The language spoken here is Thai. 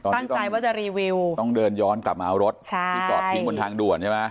ตั้งใจว่าจะรีวิวต้องเดินย้อนกลับมาเอารถใช่ที่จอดทิ้งบนทางด่วนใช่ไหม